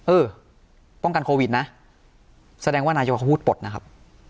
เออป้องกันโควิดนะแสดงว่านายกเขาพูดปลดนะครับ